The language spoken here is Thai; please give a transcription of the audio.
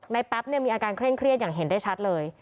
แป๊บเนี่ยมีอาการเคร่งเครียดอย่างเห็นได้ชัดเลย